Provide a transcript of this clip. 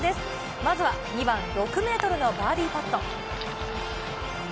まずは２番、６メートルのバーディーパット。